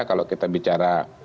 kalau kita bicara